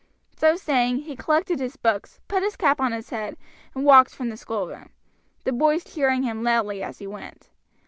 So saying, he collected his books, put his cap on his head, and walked from the schoolroom, the boys cheering him loudly as he went.